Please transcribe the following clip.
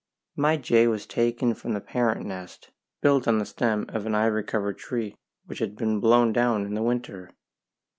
My Jay was taken from the parent nest, built on the stem of an ivy covered tree which had been blown down in the winter.